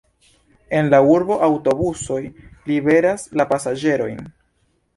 En la urbo aŭtobusoj liveras la pasaĝerojn.